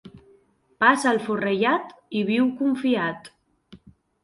Passa el forrellat i viu confiat.